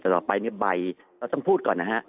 ต่อไปในใบเราต้องพูดก่อนนะครับ